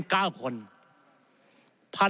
พันตำรวจเอกรุ่งโลศนี่นั่งเป็นประธานครับ